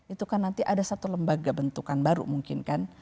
itu kan nanti ada satu lembaga bentukan baru mungkin kan